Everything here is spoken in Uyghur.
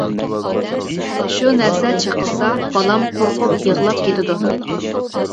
شۇ نەرسە چېتىلسا بالام قورقۇپ يىغلاپ كېتىدۇ.